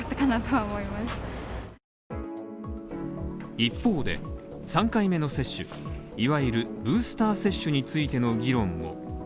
一方で３回目の接種、いわゆるブースター接種についての議論も。